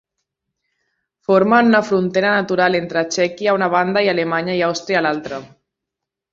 Formen una frontera natural entre Txèquia a una banda, i Alemanya i Àustria a l'altra.